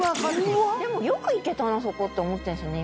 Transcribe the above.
でもよく行けたなそこって思ってるんですよね